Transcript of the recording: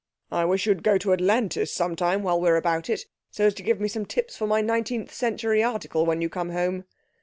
"I wish you'd go to Atlantis some time, while we're about it, so as to give me some tips for my Nineteenth Century article when you come home."